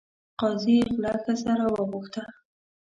قاضي غله ښځه راوغوښته.